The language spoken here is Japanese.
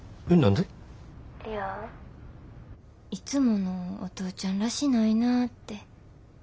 いやいつものお父ちゃんらしないなて。